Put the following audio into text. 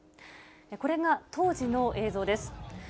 これが当時の映像です。